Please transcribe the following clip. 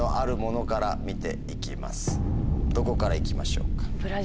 どこから行きましょうか？